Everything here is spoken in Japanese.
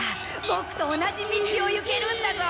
ボクと同じ道を行けるんだぞ！